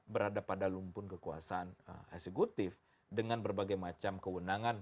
berada pada lumpun kekuasaan eksekutif dengan berbagai macam kewenangan